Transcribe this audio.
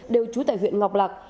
đều trú tại huyện ngọc lạc